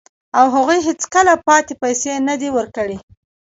او هغوی هیڅکله پاتې پیسې نه دي ورکړي